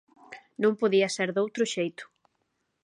Non podía ser doutro xeito.